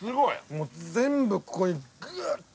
もう全部ここにグッて。